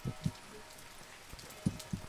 იგი გადაასვენეს და დაკრძალეს კრაკოვში, პოლონეთში.